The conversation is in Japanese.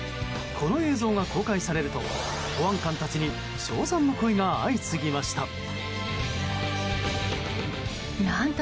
この映像が公開されると保安官たちに称賛の声が相次ぎました。